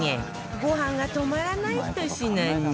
ご飯が止まらないひと品に